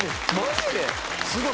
すごい！